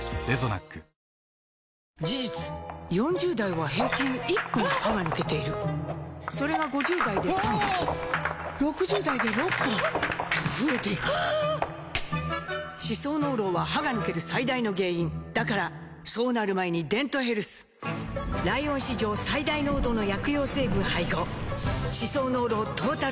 事実４０代は平均１本歯が抜けているそれが５０代で３本６０代で６本と増えていく歯槽膿漏は歯が抜ける最大の原因だからそうなる前に「デントヘルス」ライオン史上最大濃度の薬用成分配合歯槽膿漏トータルケア！